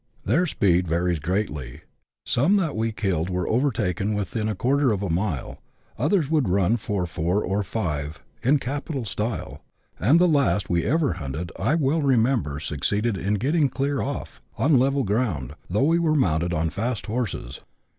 Their speed varies greatly ; some that we killed were overtaken within a quarter of a mile, others would run four or five in capital style, and the last we ever hunted I well remember suc ceeded in getting clear off, on level ground, though we were mounted on fast horses.